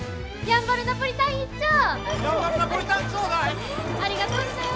やんばるナポリタンください。